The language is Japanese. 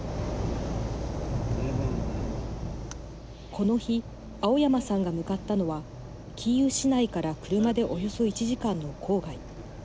この日、青山さんが向かったのはキーウ市内から車でおよそ１時間の郊外。